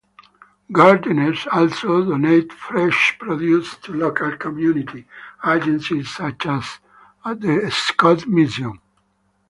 Gardeners also donate fresh produce to local community agencies such as the Scott Mission.